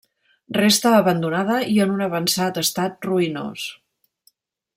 Resta abandonada i en un avançat estat ruïnós.